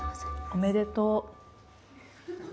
おめでとう！